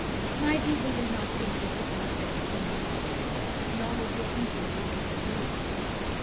"My people will not think this of me," said the King of Merland, "nor would your people think it of you.